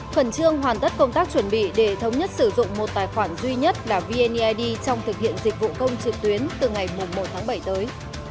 khẩn trương hoàn tất công tác chuẩn bị để thống nhất sử dụng một tài khoản duy nhất là vneid trong thực hiện dịch vụ công trực tuyến từ ngày một tháng bảy tới